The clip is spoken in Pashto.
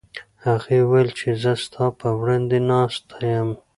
هغې وویل چې زه ستا په وړاندې ناسته یم.